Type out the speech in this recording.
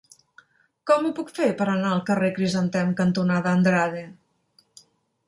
Com ho puc fer per anar al carrer Crisantem cantonada Andrade?